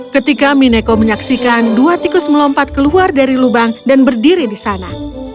ketika mineko menyaksikan dua tikus melompat keluar dari lubang dan berdiri di sana